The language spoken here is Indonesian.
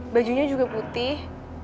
bajunya juga putih